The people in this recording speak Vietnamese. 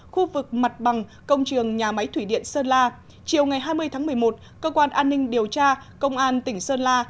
khu vực mặt bằng công trường nhà máy thủy điện sơn la chiều ngày hai mươi tháng một mươi một cơ quan an ninh điều tra công an tỉnh sơn la